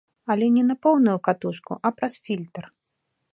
Але не на поўную катушку, а праз фільтр.